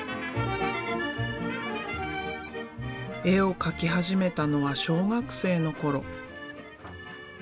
絵を描き始めたのは小学生の頃。